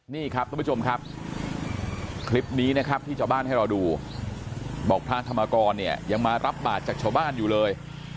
นี่ครับทุกผู้ชมครับคลิปนี้นะครับที่ชาวบ้านให้เราดูบอกพระธรรมกรเนี่ยยังมารับบาทจากชาวบ้านอยู่เลย